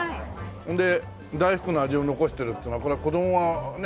で大福の味を残してるっつうのがこれは子供がね